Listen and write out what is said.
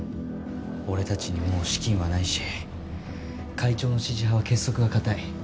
俺たちにもう資金はないし会長の支持派は結束が固い。